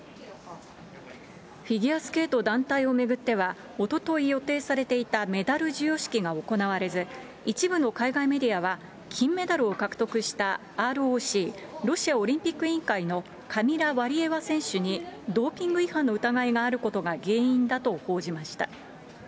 フィギュアスケート団体を巡っては、おととい予定されていたメダル授与式が行われず、一部の海外メディアは、金メダルを獲得したＲＯＣ・ロシアオリンピック委員会のカミラ・ワリエワ選手にドーピング違反の疑いがあることが原因だと報じました。